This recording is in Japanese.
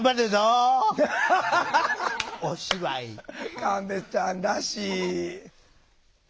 神戸ちゃんらしい。